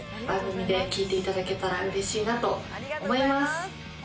番組で聞いていただけたら嬉しいなと思います。